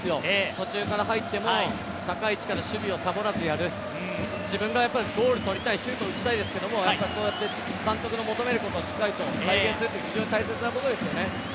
途中から入っても高い位置から守備をサボらずやる、自分がゴールを取りたい、シュートを打ちたいですけど、監督の求めることをしっかりと体現するというのは非常に大切なことですよね。